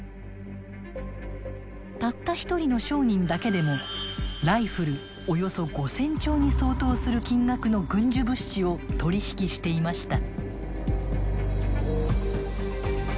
たった一人の商人だけでもライフルおよそ５，０００丁に相当する金額の軍需物資を取り引きしていました。